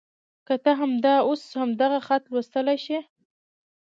که ته همدا اوس همدغه خط لوستلی شې.